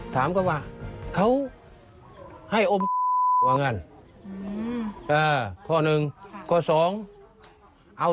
ตอนนั้นคือพ่อละยิน